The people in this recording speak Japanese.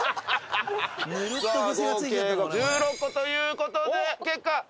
合計が１６個ということで結果